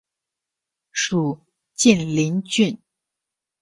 属晋陵郡。